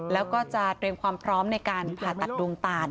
แล้วก็จะเตรียมความพร้อมในการผ่าตัดดวงตาน